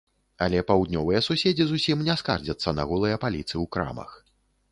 Але паўднёвыя суседзі зусім не скардзяцца на голыя паліцы ў крамах.